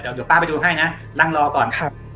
เดี๋ยวป้าไปดูให้นะนั่งรอก่อน